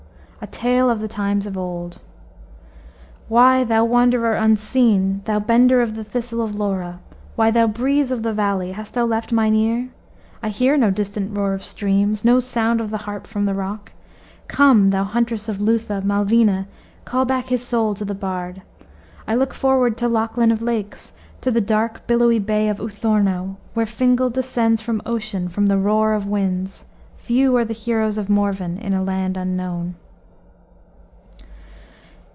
"A tale of the times of old!" "Why, thou wanderer unseen! Thou bender of the thistle of Lora; why, thou breeze of the valley, hast thou left mine ear? I hear no distant roar of streams! No sound of the harp from the rock! Come, thou huntress of Lutha, Malvina, call back his soul to the bard. I look forward to Lochlin of lakes, to the dark billowy bay of U thorno, where Fingal descends from Ocean, from the roar of winds. Few are the heroes of Morven in a land unknown."